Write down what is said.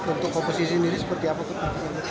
untuk komposisi ini seperti apa